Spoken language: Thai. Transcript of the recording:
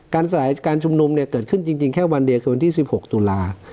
การสลายการชุมนุมเกิดขึ้นแค่วันเดียว๑๖ตุลา